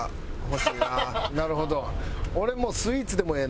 なるほど。